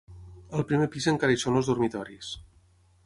Al primer pis encara hi són els dormitoris.